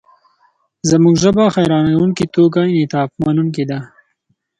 زموږ ژبه حیرانوونکې توګه انعطافمنونکې ده.